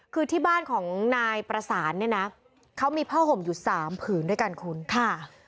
คือที่บ้านของนายประสานเนี่ยนะเขามีผ้าห่มอยู่สามผืนด้วยกันคุณค่ะ